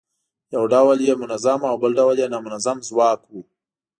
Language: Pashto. یو ډول یې منظم او بل ډول یې نامنظم ځواک و.